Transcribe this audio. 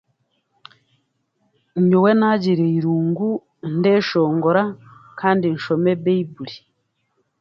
Nyowe naagira eirungu ndeeshongora kandi nshome beiburi.